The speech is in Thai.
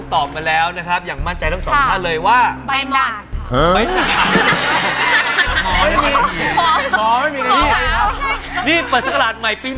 ตอบแล้วว่าใบ